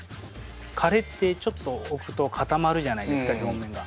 カレーってちょっと置くと固まるじゃないですか表面が。